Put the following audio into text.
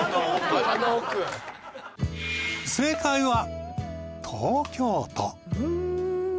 正解は東京都。